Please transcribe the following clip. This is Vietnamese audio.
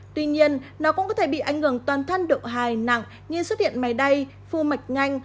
tuy nhiên nó cũng có thể bị ảnh hưởng toàn thân độ hài nặng như xuất hiện máy đay phu mạch nhanh